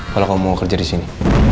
kalau kamu mau kerja disini